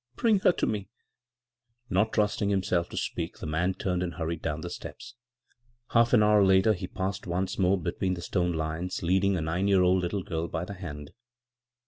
" Bring her to me." Not trusting himself to speak, the man 30S b, Google CROSS CURRENTS turned and hurried down the steps. Hali an hour later he passed once more between the stone lions, leading a nine yearnsld little girl by the hand.